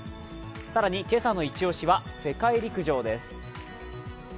更に、今朝のイチオシは世界陸上です。